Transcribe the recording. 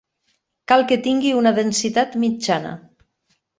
Cal que tingui una densitat mitjana.